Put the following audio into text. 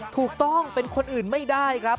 ถูกต้องเป็นคนอื่นไม่ได้ครับ